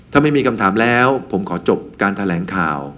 ถ้าไม่มีคำถามแล้วผมขอจบการแถลงข่าว